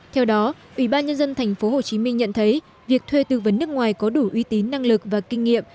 theo đó ủy ban nhân dân tp hcm nhận thấy việc thuê tư vấn nước ngoài có đủ uy tín năng lực và kinh nghiệm